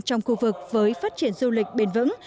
trong khu vực với phát triển du lịch bền vững